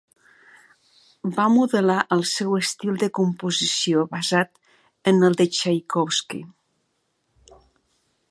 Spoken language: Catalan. Va modelar el seu estil de composició basat en el de Txaikovski.